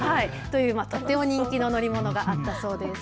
非常に人気の乗り物があったそうです。